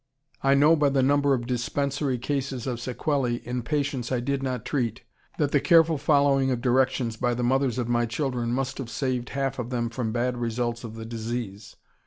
I know by the number of dispensary cases of sequelae in patients I did not treat, that the careful following of directions by the mothers of my children must have saved half of them from bad results of the disease.